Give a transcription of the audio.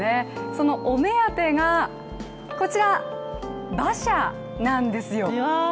そのお目当てがこちら、馬車なんですよ。